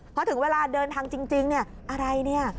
เพราะถึงเวลาเดินทางจริงอะไรนี่